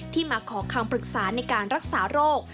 มาขอคำปรึกษาในการรักษาโรค